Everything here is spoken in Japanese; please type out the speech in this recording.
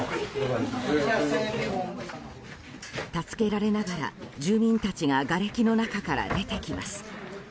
助けられながら住民たちががれきの中から出てきます。